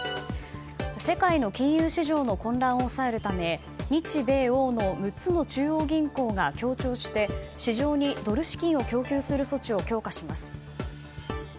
世界の金融市場の混乱を抑えるため日米欧の６つの中央銀行が協調して市場にドル資金を供給する措置を強化します。